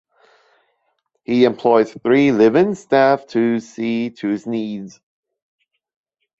He employs three live-in staff to see to his needs.